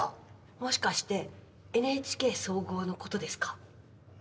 もしかしてＮＨＫ総合のことですか？